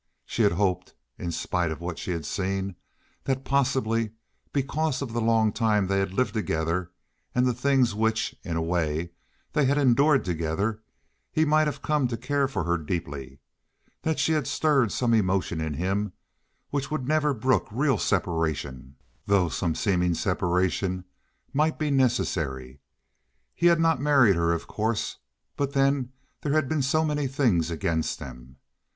She had hoped, in spite of what she had seen, that possibly, because of the long time they had lived together and the things which (in a way) they had endured together, he might have come to care for her deeply—that she had stirred some emotion in him which would never brook real separation, though some seeming separation might be necessary. He had not married her, of course, but then there had been so many things against them.